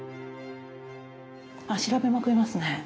あっ調べまくりますね。